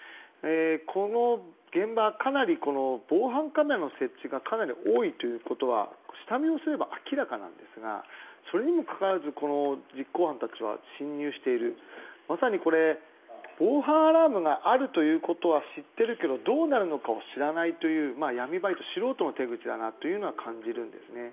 この現場、防犯カメラの設置がかなり多いということは下見をすれば明らかなんですがそれにもかかわらずこの実行犯たちは侵入しているまさに防犯アラームがあるということは知ってるけどどうなるのかを知らないという闇バイト、素人の手口だと感じるんですね。